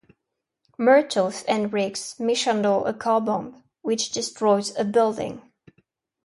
Murtaugh and Riggs mishandle a car bomb, which destroys a building.